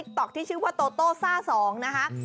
ในงานติ๊กต๊อกที่ชื่อว่าโตโตซ่า๒นะฮะ